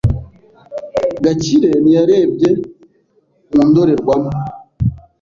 Gakire ntiyarebye mu ndorerwamo.